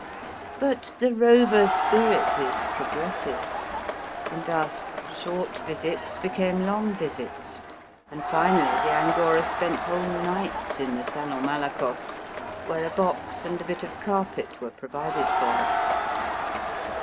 But the rover spirit is progressive, and thus short visits became long visits, and finally the angora spent whole nights in the Salon Malakoff, where a box and a bit of carpet were provided for her.